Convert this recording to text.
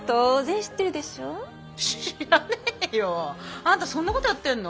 知らねえよ。あんたそんなことやってんの？